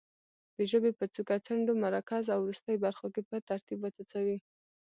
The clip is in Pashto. د ژبې په څوکه، څنډو، مرکز او وروستۍ برخو کې په ترتیب وڅڅوي.